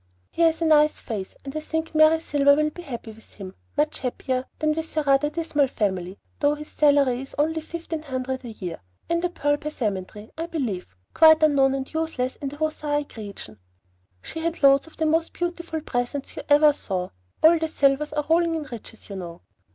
He has a nice face, and I think Silvery Mary will be happy with him, much happier than with her rather dismal family, though his salary is only fifteen hundred a year, and pearl passementerie, I believe, quite unknown and useless in the Hoosac region. She had loads of the most beautiful presents you ever saw. All the Silvers are rolling in riches, you know.